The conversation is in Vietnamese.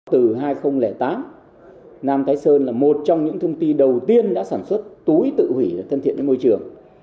từ hai nghìn tám nam thái sơn là một trong những công ty đầu tiên đã sản xuất túi tự hủy thân thiện với môi trường